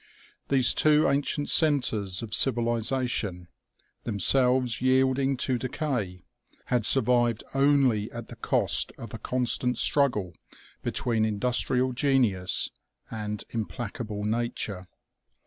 These two ancient centers of civilization, them selves yielding to decay, had survived only at the cost of a constant struggle between industrial genius and implac able nature.